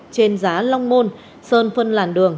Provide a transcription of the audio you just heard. trên giá long môn sơn phân làn đường